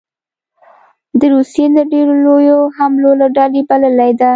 د روسیې د ډېرو لویو حملو له ډلې بللې ده